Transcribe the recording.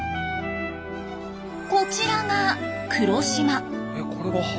こちらが黒島。